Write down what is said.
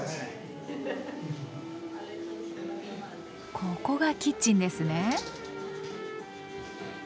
ここがキッチンですね。